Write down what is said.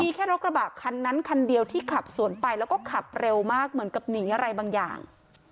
มีแค่รถกระบะคันนั้นคันเดียวที่ขับสวนไปแล้วก็ขับเร็วมากเหมือนกับหนีอะไรบางอย่าง